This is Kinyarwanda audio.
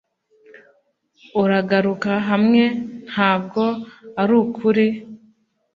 uragaruka hamwe, "ntabwo arukuri."